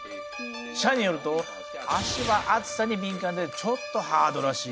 謝によると足は熱さに敏感でちょっとハードらしい。